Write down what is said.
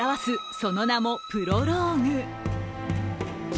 その名も「プロローグ」。